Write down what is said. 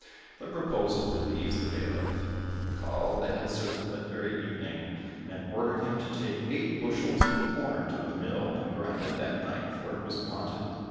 The proposal pleased the bailiff, he called the head servant that very evening, and ordered him to take eight bushels of corn to the mill, and grind it that night, for it was wanted.